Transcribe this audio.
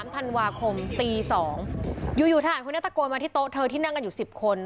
ธันวาคมตี๒อยู่ทหารคนนี้ตะโกนมาที่โต๊ะเธอที่นั่งกันอยู่๑๐คน